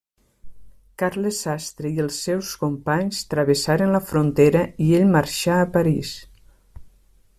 Carles Sastre i els seus companys travessaren la frontera i ell marxà a París.